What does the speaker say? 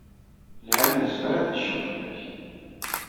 Lhem yezmer ad yecfu fell-ak.